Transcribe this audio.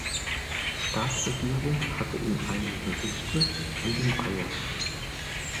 Staatsregierung hat in einem Berichte an den Bayer.